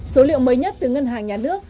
số liệu mới nhất từ ngân hàng nhà nước